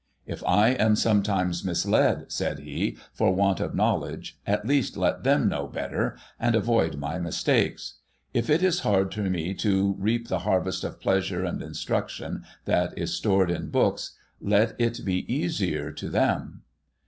' If I am sometimes misled,' said he, ' for want of knowledge, at least let them know better, and avoid my mistakes. If it is hard to me to reap the harvest of i)leasure and instruction that is stored in books, let it be easier to them.'